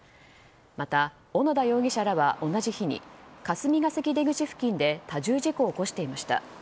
また、小野田容疑者らは同じ日に霞が関出口付近で多重事故を起こしていました。